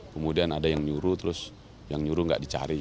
kemudian ada yang nyuruh terus yang nyuruh nggak dicari